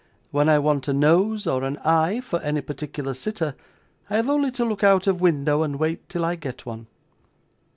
When I want a nose or an eye for any particular sitter, I have only to look out of window and wait till I get one.